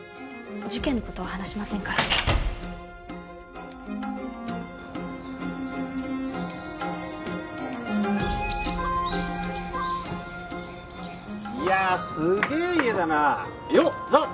事件のことは話しませんからいやすげえ家だなよっ！